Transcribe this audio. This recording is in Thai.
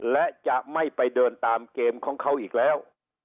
และจะไม่ไปเดินตามเกมของเขาอีกแล้ว